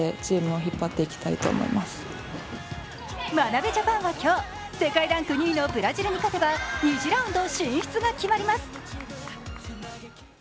眞鍋ジャパンは今日、世界ランク２位のブラジルに勝てば２次ラウンド進出が決まります。